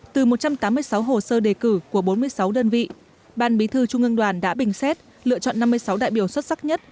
từ một trăm tám mươi sáu hồ sơ đề cử của bốn mươi sáu đơn vị ban bí thư trung ương đoàn đã bình xét lựa chọn năm mươi sáu đại biểu xuất sắc nhất